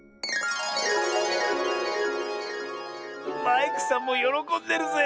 マイクさんもよろこんでるぜ。